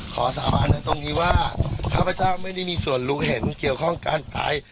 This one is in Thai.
สาบานในตรงนี้ว่าข้าพเจ้าไม่ได้มีส่วนรู้เห็นเกี่ยวข้องการตาย